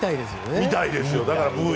見たいですよ。